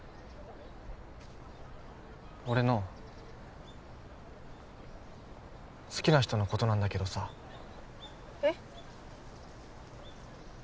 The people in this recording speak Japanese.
俺の好きな人のことなんだけどさえっ？